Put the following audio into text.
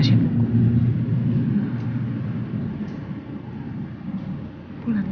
kita harus pulang